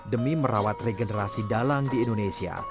demi merawat regenerasi dalang di indonesia